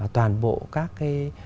toàn bộ các